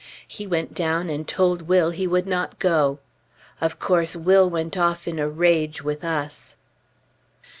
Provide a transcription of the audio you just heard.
He went down and told Will he would not go! Of course, Will went off in a rage with us.